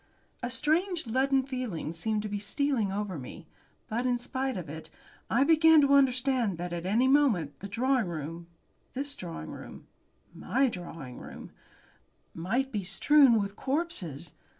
A strange leaden feeling seemed to be stealing over me, but, in spite of it, I began to understand that at any moment the drawing room, this drawing room, my drawing room, might be strewed with corpses.